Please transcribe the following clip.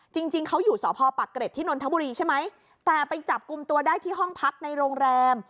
จริงจริงเขาอยู่สพปักเกร็ดที่นนทบุรีใช่ไหมแต่ไปจับกลุ่มตัวได้ที่ห้องพักในโรงแรม